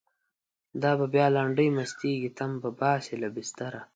دا به بیا لنډۍ مستیږی، تن به باسی له بستره